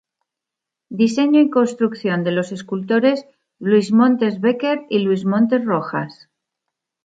Diseño y construcción de los escultores Luis Montes Becker y Luis Montes Rojas.